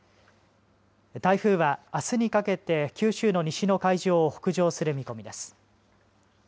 台風はあすにかけて九州の西の海上を北上する見込みです。